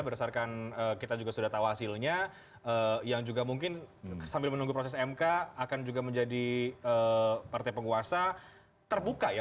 berdasarkan kita juga sudah tahu hasilnya yang juga mungkin sambil menunggu proses mk akan juga menjadi partai penguasa terbuka ya